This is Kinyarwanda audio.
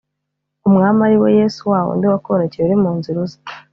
Umwami ari we yesu wa wundi wakubonekeye uri mu nzira uza